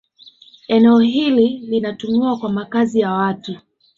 Eneo hili linatumiwa kama makazi ya watu